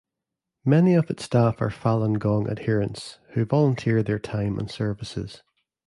Many of its staff are Falun Gong adherents who volunteer their time and services.